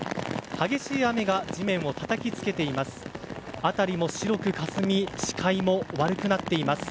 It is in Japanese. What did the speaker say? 激しい雨が地面をたたきつけています。